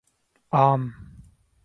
عام